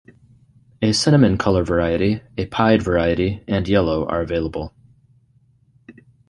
A cinnamon colour variety, a pied variety, and yellow are available.